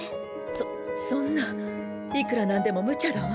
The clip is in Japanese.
そそんないくら何でもむちゃだわ。